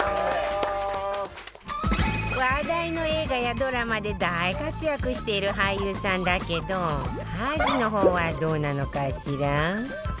話題の映画やドラマで大活躍している俳優さんだけど家事の方はどうなのかしら？